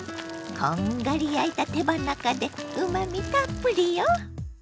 こんがり焼いた手羽中でうまみたっぷりよ。